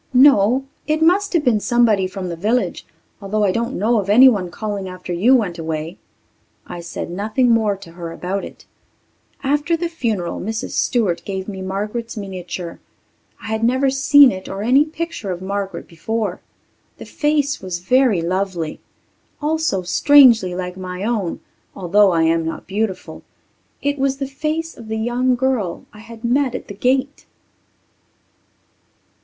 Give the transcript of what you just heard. "No. It must have been somebody from the village, although I didn't know of anyone calling after you went away." I said nothing more to her about it. After the funeral Mrs. Stewart gave me Margaret's miniature. I had never seen it or any picture of Margaret before. The face was very lovely also strangely like my own, although I am not beautiful. It was the face of the young girl I had met at the gate!